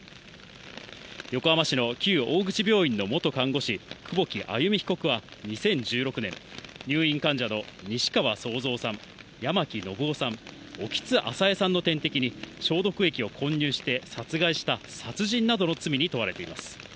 横浜市の旧大口病院の元看護師・久保木愛弓被告は２０１６年入院患者の西川惣蔵さん、八巻信雄さん、興津朝江さんの点滴に消毒液を混入して殺害した殺人などの罪に問われています。